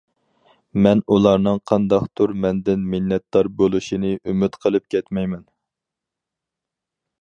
مەن ئۇلارنىڭ قانداقتۇر مەندىن مىننەتدار بولۇشىنى ئۈمىد قىلىپ كەتمەيمەن.